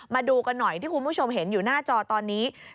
มาดูกันหน่อยที่คุณผู้ชมเห็นอยู่หน้าจอตอนนี้